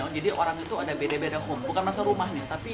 jadi orang itu ada beda beda home bukan masalah rumahnya tapi